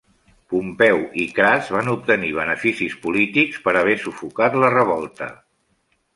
Pompeu i Cras van obtenir beneficis polítics per haver sufocat la revolta.